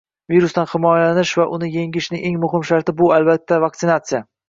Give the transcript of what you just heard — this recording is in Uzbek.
Virusdan himoyalanish va uni yengishning eng muhim sharti – bu albatta vaksinatsiya.